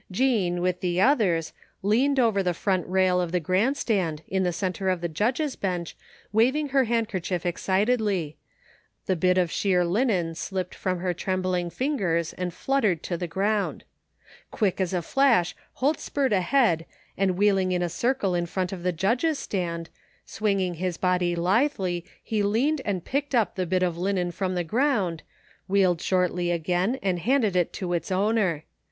Jean, with the others, leaned over the front rail of the grandstand, in the centre of the judges' bench wav ing her handkerchief excitedly; the bit of sheer linen slipped from her trembling fingers and fluttered to the ground. Quick as a flash Holt spurred ahead and wheeling in a circle in front of the judges' stand, swing ing his body lithdy he leaned and picked up the bit of linen from the groimd, wheeled shortly again and handed it to its owner.